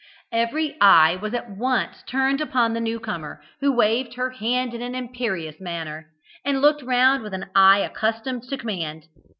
Every eye was at once turned upon the new comer, who waved her hand in an imperious manner, and looked round with an eye accustomed to command.